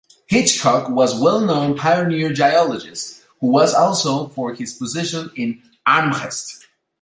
Hitchcock was a well-known pioneer geologist, who was also known for his positions in Amherst.